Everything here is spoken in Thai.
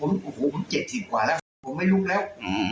แล้วเจ็บสิผมไม่รู้แล้ว